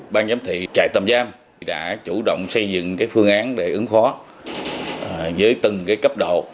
ban giám thị trại tầm giam đã chủ động xây dựng phương án để ứng phó với từng cấp độ